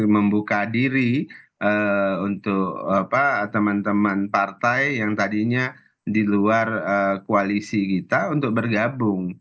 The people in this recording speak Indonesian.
membuka diri untuk teman teman partai yang tadinya di luar koalisi kita untuk bergabung